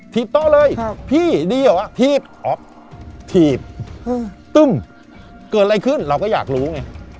โต๊ะเลยพี่ดีเหรอถีบออฟถีบตึ้มเกิดอะไรขึ้นเราก็อยากรู้ไง